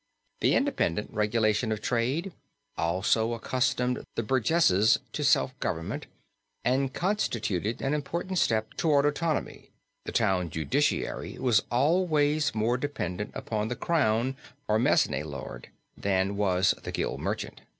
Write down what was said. The independent regulation of trade also accustomed the burgesses to self government, and constituted an important step toward autonomy; the town judiciary was always more dependent upon the crown or mesne lord than was the Gild Merchant."